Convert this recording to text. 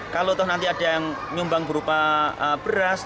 kalau nanti ada yang nyumbang berupa beras